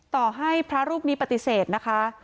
ต่อให้พระรูปนี้ปฏิเสธนะคะ